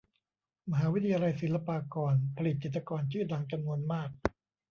มหาวิทยาลัยศิลปากร ผลิตจิตรกรชื่อดังจำนวนมาก